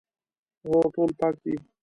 هو، ټول پاک دي